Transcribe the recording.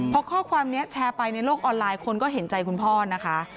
พอข้อความนี้แชร์ไปในโลกออนไลน์คนก็เห็นใจคุณพ่อนะคะ